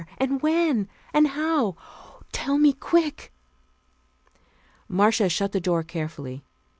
And when? And how? Tell me quick." Marcia shut the door carefully.